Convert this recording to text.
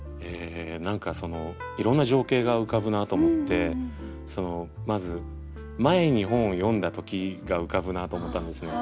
何かいろんな情景が浮かぶなと思ってまず前に本を読んだ時が浮かぶなと思ったんですね。